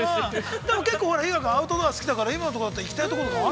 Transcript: ◆結構日向君、アウトドア好きだから、今のところだったら、行きたいところが。